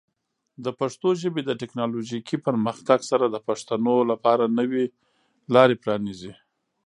د پښتو ژبې د ټیکنالوجیکي پرمختګ سره، د پښتنو لپاره نوې لارې پرانیزي.